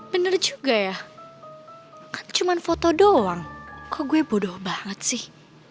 bener juga ya kan cuma foto doang kok gue bodoh banget sih